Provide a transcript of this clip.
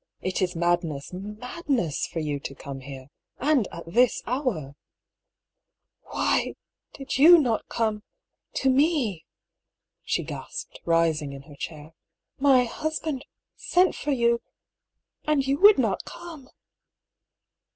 ^^It is madness — madness — ^f or you to come here ! And at this hour !" "Why did you not come — ^to me?" she gasped, rising in her chair. " My husband sent for you — ^and you would not come